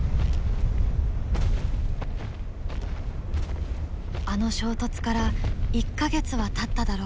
あの衝突から１か月はたっただろうか。